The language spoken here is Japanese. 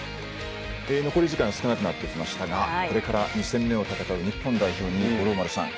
残り時間少なくなってきましたがこれから２戦目を戦う日本代表に五郎丸さん